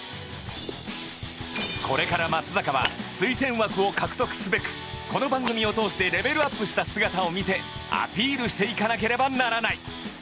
これから松坂は推薦枠を獲得すべくこの番組を通してレベルアップした姿を見せアピールしていかなければならない